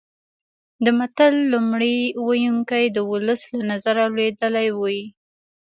د متل لومړی ویونکی د ولس له نظره لوېدلی وي